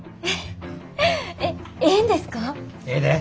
ええで。